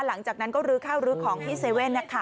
หลังจากนั้นก็ลึกเข้าลึกของพี่เซเว่นค่ะ